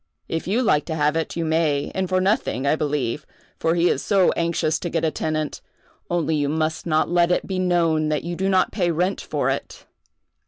If you like to have it, you may, and for nothing, I believe, for he is so anxious to get a tenant; only you must not let it be known that you do not pay rent for it."